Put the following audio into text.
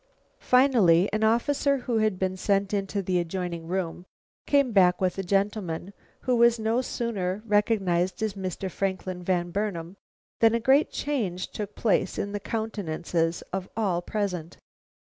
Finally an officer, who had been sent into the adjoining room, came back with a gentleman, who was no sooner recognized as Mr. Franklin Van Burnam than a great change took place in the countenances of all present.